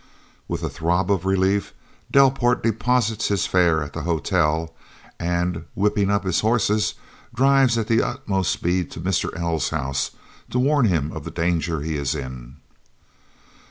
With a throb of relief Delport deposits his fare at the hotel and, whipping up his horses, drives at the utmost speed to Mr. Els' house, to warn him of the danger he is in.